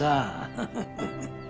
ハハハハ。